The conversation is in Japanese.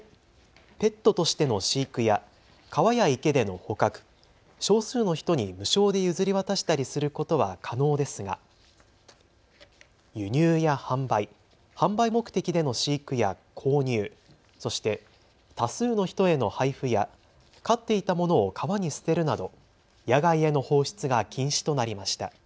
ペットとしての飼育や川や池での捕獲、少数の人に無償で譲り渡したりすることは可能ですが輸入や販売、販売目的での飼育や購入、そして多数の人への配布や飼っていたものを川に捨てるなど野外への放出が禁止となりました。